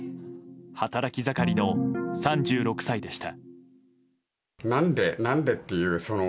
働き盛りの３６歳でした。